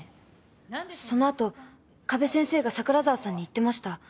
その後加部先生が桜沢さんに言ってました。